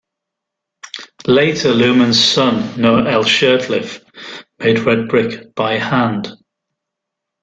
Later Luman's son, Noah L. Shurtliff, made red brick by hand.